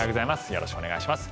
よろしくお願いします。